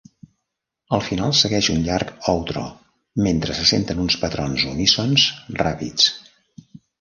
Al final segueix un llarg outro mentre se senten uns patrons unísons ràpids.